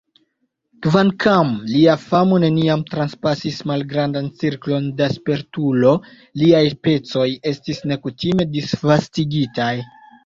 Kvankam lia famo neniam transpasis malgrandan cirklon da spertulo, liaj pecoj estis nekutime disvastigitaj.